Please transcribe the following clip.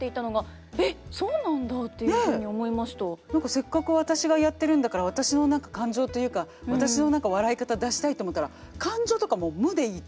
せっかく私がやってるんだから私の感情というか私の笑い方出したいと思ったら「感情とか無でいい」と。